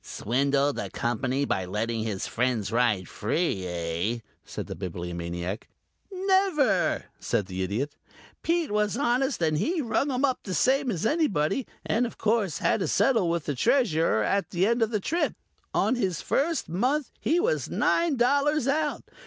"Swindled the Company by letting his friends ride free, eh?" said the Bibliomaniac. "Never," said the Idiot. "Pete was honest and he rung 'em up same as anybody and of course had to settle with the Treasurer at the end of the trip. On his first month he was nine dollars out.